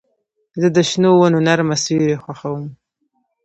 زه د شنو ونو نرمه سیوري خوښوم.